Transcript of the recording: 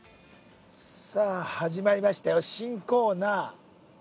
◆さあ、始まりましたよ、新コーナー。